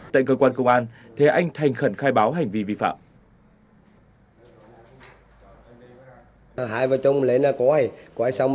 tại cơ quan công an thế anh thành khẩn khai báo hành vi vi phạm